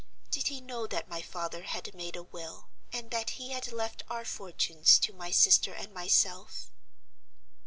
Did he know that my father had made a will, and that he had left our fortunes to my sister and myself?"